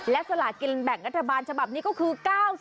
และสลากินแบ่งรัฐบาลฉบับนี้ก็คือ๙๐